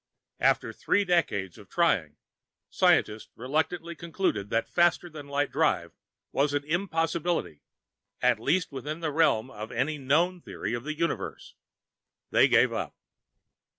After three decades of trying, scientists reluctantly concluded that a faster than light drive was an impossibility, at least within the realm of any known theory of the Universe. They gave up.